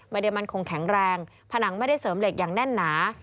ไม่ได้มั่นคงแข็งแรงผนังไม่ได้เสริมเหล็กอย่างแน่นหนา